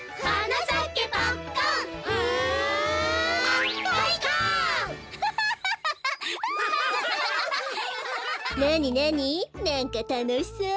なんかたのしそう。